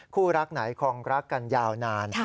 คู่รักไหนคงรักกันยาวนาน